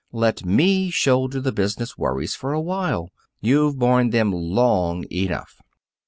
Let me shoulder the business worries for a while. You've borne them long enough."